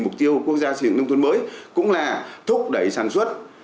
mục tiêu quốc gia sử dụng nông thuận mới cũng là thúc đẩy sản xuất